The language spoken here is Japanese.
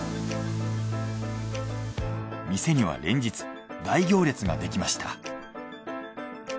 店には連日大行列ができました。